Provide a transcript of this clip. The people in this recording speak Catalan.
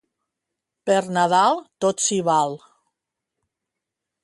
Per Nadal tot si val